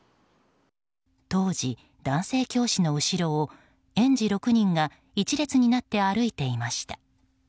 当時、男性教師の後ろを園児６人が一列になって歩いていました。